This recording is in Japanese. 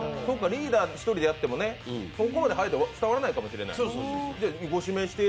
リーダー１人でやってもね、そこまで速いと伝わらないかもしれない。